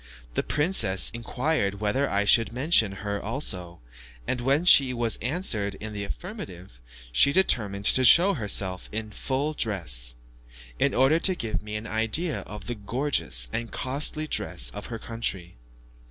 The princess inquired whether I should mention her also, and when she was answered in the affirmative, she determined to show herself in full dress, in order to give me an idea of the gorgeous and costly dress of her country.